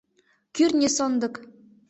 — Кӱртньӧ сондык!